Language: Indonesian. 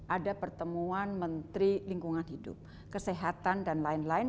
ada pertemuan menteri lingkungan hidup kesehatan dan lain lain